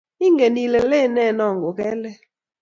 ingen ile leene noo ko ke lel